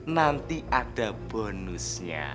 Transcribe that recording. nanti ada bonusnya